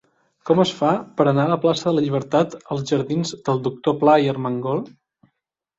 Com es fa per anar de la plaça de la Llibertat als jardins del Doctor Pla i Armengol?